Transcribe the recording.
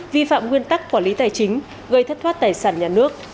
vi phạm nguyên tắc quản lý tài chính gây thất thoát tài sản nhà nước